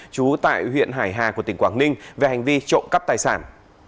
trú tại huyện hải hà của tỉnh quảng ninh về hành vi trộm cắp tài sản